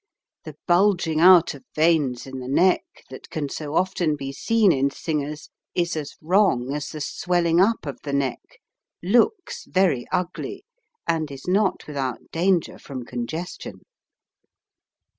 The bulging out of veins in the neck, that can so often be seen in singers, is as wrong as the swelling up of the neck, looks very ugly, and is not without danger from congestion.